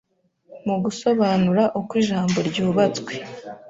Mu gusobanura uko ijambo ryubatswe